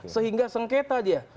sehingga sengketa dia